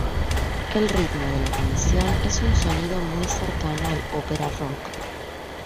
El ritmo de la canción es un sonido muy cercano al ópera rock.